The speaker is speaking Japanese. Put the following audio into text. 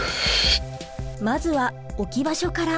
まずは置き場所から。